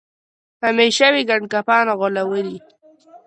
همېشه وي ګنډکپانو غولولی